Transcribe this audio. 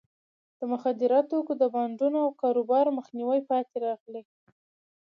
د مخدره توکو د بانډونو او کاروبار مخنیوي پاتې راغلی.